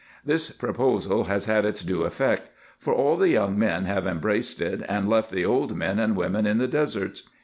Tins proposal has had its due effect ; for all the young men have embraced it, and left the old men and women in the deserts.